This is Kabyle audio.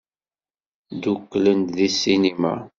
Ddukklen-d seg ssinima.